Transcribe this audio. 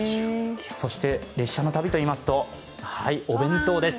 そして列車の旅といいますとお弁当です。